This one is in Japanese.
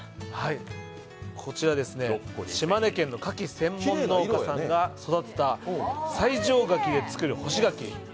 島根県の柿専門店さんが育てた西条柿で作る干し柿。